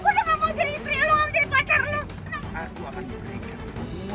gua udah tahu gak mau jadi istri cooperative pacarnya bersama gue